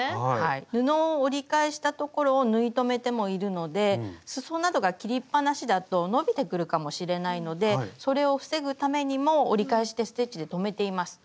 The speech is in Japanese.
布を折り返したところを縫い留めてもいるのですそなどが切りっぱなしだと伸びてくるかもしれないのでそれを防ぐためにも折り返してステッチで留めています。